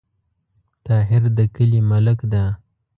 طاهر د کلې ملک ده